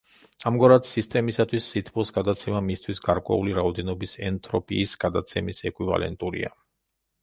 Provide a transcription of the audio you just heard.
ამგვარად, სისტემისათვის სითბოს გადაცემა მისთვის გარკვეული რაოდენობის ენტროპიის გადაცემის ეკვივალენტურია.